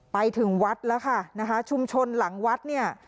ไปถึงวัดแล้วค่ะนะคะชุมชนหลังวัดเนี่ย